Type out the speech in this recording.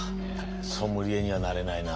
ソムリエにはなれないな。